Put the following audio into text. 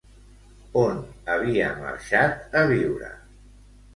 On havia marxat a viure?